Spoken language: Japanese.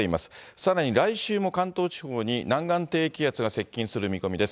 さらに、来週も関東地方に南岸低気圧が接近する見込みです。